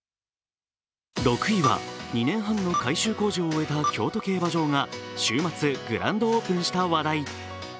６位は２年半の改修工事を終えた京都競馬場が週末、グランドオープンした話題。